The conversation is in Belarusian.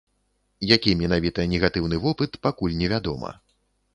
Які менавіта негатыўны вопыт, пакуль невядома.